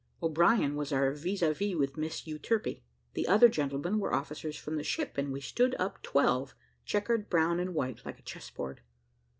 O'Brien was our vis a vis with Miss Euterpe. The other gentlemen were officers from the ships, and we stood up twelve, checkered brown and white, like a chess board.